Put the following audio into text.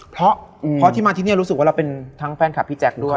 เพราะที่มาที่นี่รู้สึกว่าเราเป็นทั้งแฟนคลับพี่แจ๊คด้วย